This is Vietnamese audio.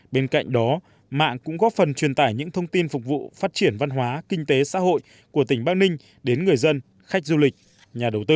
bên cạnh đó mạng cũng góp phần truyền tải những thông tin phục vụ phát triển văn hóa kinh tế xã hội của tỉnh bắc ninh đến người dân khách du lịch nhà đầu tư